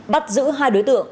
bắt giữ hai đối tượng